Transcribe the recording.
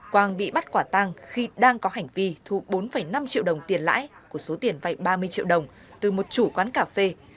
quang bị bắt quả tăng khi đang có hành vi thu bốn năm triệu đồng tiền lãi của số tiền vay ba mươi triệu đồng từ một chủ quán cà phê